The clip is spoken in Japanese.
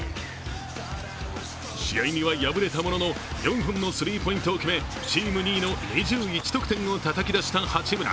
試合には敗れたものの４本のスリーポイントを決めチーム２位の２１得点をたたき出した八村。